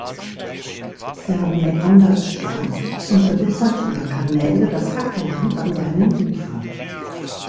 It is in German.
Er mäandert stark und bewässert über Kanäle das Ackerland an seinen Ufern.